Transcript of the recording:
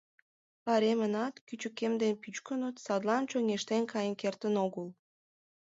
Паремынат, кӱчыкемден пӱчкыныт, садлан чоҥештен каен кертын огыл.